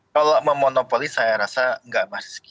kalau memonopoli saya rasa enggak mas